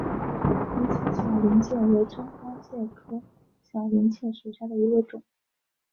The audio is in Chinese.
菱形小林介为真花介科小林介属下的一个种。